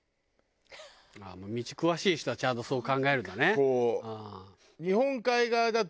道詳しい人はちゃんとそう考えるんだね。